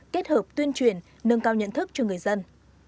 kết hợp tuyên truyền nâng cao nhận thức cho người dân